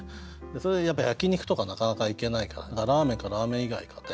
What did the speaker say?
やっぱ焼き肉とかなかなか行けないからラーメンかラーメン以外かで。